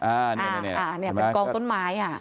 อันนี้เป็นกองต้นไม้อ่ะ